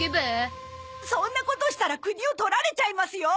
そんなことしたら国を取られちゃいますよ？